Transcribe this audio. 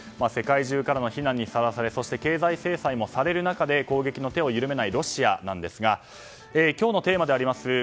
世界中からの非難にさらされそして経済制裁もされる中で攻撃の手を緩めないロシアですが今日のテーマであります